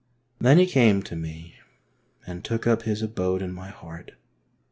Then He came to me and took up His abode in my heart.